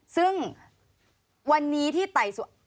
ซึ่งวันนี้ที่ไต่สวน